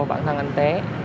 bản thân anh té